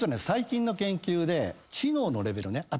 最近の研究で知能のレベルね。